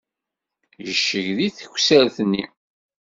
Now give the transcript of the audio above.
Yecceg deg teksart-nni.